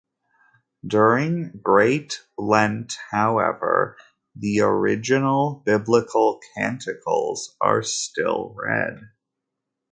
During Great Lent however, the original Biblical Canticles are still read.